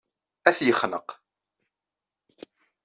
Ad t-yexneq.